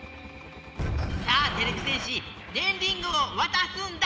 さあてれび戦士ねんリングをわたすんだ！